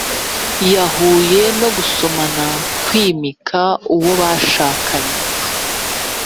yahuye no gusomana kwimika uwo bashakanye